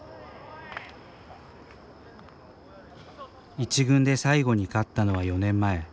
１軍で最後に勝ったのは４年前。